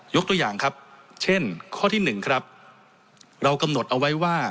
ยกตัวอย่างครับเช่นข้อที่๑ครับเรากำหนดเอาไว้ว่า